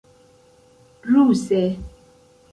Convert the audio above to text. ruse